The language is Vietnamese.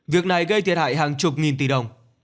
việc này gây thiệt hại hàng chục nghìn tỷ đồng